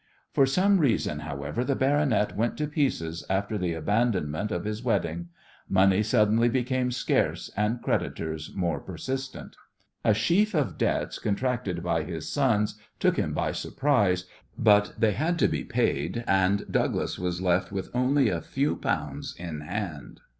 For some reason, however, the "baronet" went to pieces after the abandonment of his wedding. Money suddenly became scarce, and creditors more persistent. A sheaf of debts contracted by his sons took him by surprise, but they had to be paid, and Douglas was left with only a few pounds in hand.